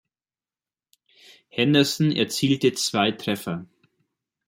Henderson erzielte zwei Treffer.